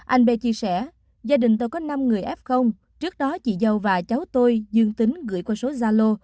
anh b chia sẻ gia đình tôi có năm người f trước đó chị dâu và cháu tôi dương tính gửi qua số gia lô